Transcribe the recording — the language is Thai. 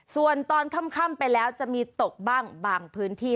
ส่วนตอนค่ำไปแล้วจะมีตกบ้างบางพื้นที่